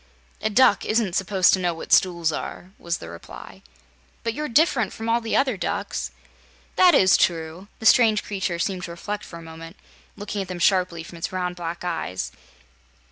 "A duck isn't supposed to know what stools are," was the reply. "But you're diff'rent from all other ducks." "That is true." The strange creature seemed to reflect for a moment, looking at them sharply from its round black eyes.